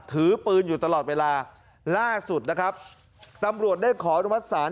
ถือปืนอยู่ตลอดเวลาล่าสุดนะครับตำรวจได้ขออนุมัติศาล